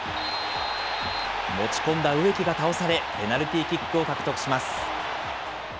持ち込んだ植木が倒され、ペナルティーキックを獲得します。